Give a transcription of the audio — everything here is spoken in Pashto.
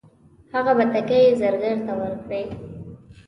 هغه بتکۍ یې زرګر ته ورکړې.